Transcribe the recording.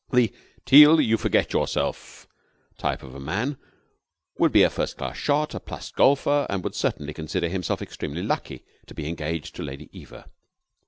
The "Teal, you forget yourself" type of man would be a first class shot, a plus golfer, and would certainly consider himself extremely lucky to be engaged to Lady Eva.